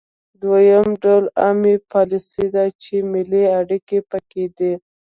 دوهم ډول عامه پالیسي ده چې ملي اړیکې پکې دي